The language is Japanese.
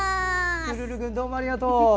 プルルくんどうもありがとう。